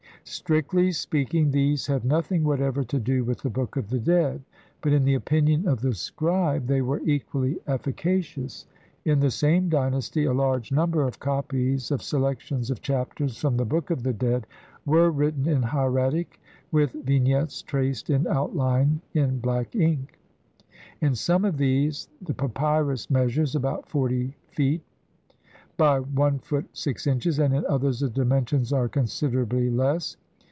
Strictly speaking, these have nothing whatever to do with the Book of the Dead, but in the opinion of the scribe they were equally efficacious. In the same dynasty a large number of LXVI INTRODUCTION. copies of selections of Chapters from the Book of the Dead were written in hieratic, with Vignettes traced in outline in black ink. In some of these the papy rus measures about 40 ft. by 1 ft. 6 in., and in others the dimensions are considerably less.